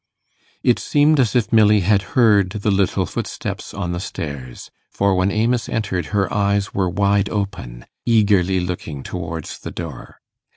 It seemed as if Milly had heard the little footsteps on the stairs, for when Amos entered her eyes were wide open, eagerly looking towards the door.